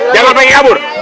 jangan pengen kabur